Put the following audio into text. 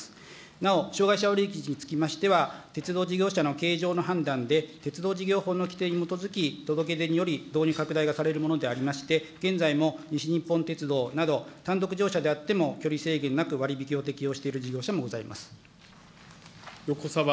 なお、障害者割引につきましては、鉄道事業者の経営上の判断で、鉄道事業法の規定に基づき、届け出により、導入拡大がされるものでありまして、現在も西日本鉄道など、単独乗車であっても、距離制限なく割引を適用している事業者もあります。